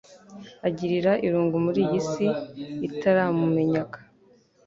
agirira irungu muri iyi si itaramumenyaga.